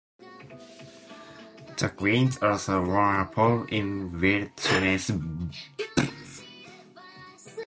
The Greens also won a poll in Witless Bay.